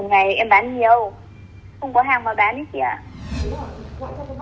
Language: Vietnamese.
một ngày em bán nhiều không có hàng mà bán ý chị ạ